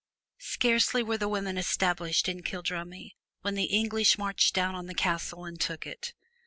Scarcely were the women established in Kildrummie when the English marched down on the castle and took it.